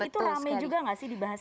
itu rame juga nggak sih dibahas